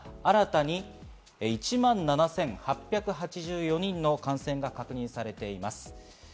新たに１万７８８４人の感染が確認されています。